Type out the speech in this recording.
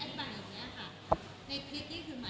พูดถึงใหม่ในจักรที่อัดบาลอย่างเนี่ยค่ะ